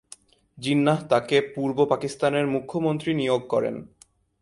জিন্নাহ তাকে পূর্ব পাকিস্তানের মুখ্যমন্ত্রী নিয়োগ করেন।